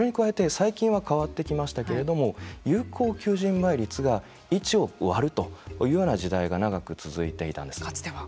それに加えて最近は変わってきましたけれども有効求人倍率が１を割るというような時代が長く続いていたんです。